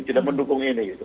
tidak mendukung ini